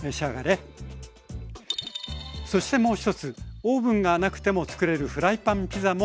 そしてもう一つオーブンがなくてもつくれるフライパンピザも紹介しました。